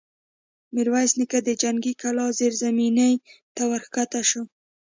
ميرويس نيکه د جنګي کلا زېرزميني ته ور کښه شو.